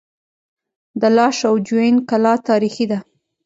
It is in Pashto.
د لاش او جوین کلا تاریخي ده